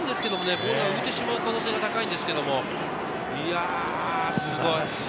ボールが浮いてしまう可能性が高いんですけど、いやぁすごい。